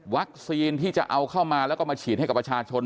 ที่จะเอาเข้ามาแล้วก็มาฉีดให้กับประชาชน